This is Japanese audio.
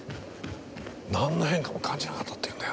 なんの変化も感じなかったって言うんだよな。